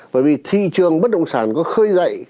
bởi vì thị trường bất động sản có khơi dậy